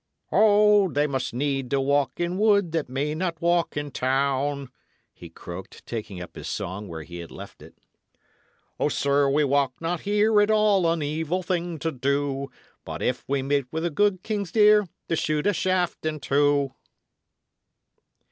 "'O, they must need to walk in wood that may not walk in town,'" he croaked, taking up his song where he had left it. "O, sir, we walk not here at all an evil thing to do. But if we meet with the good king's deer to shoot a shaft into."